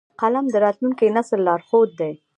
قلم د راتلونکي نسل لارښود دی